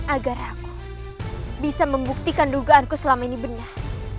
agar aku bisa membuktikan dugaanku selama ini benar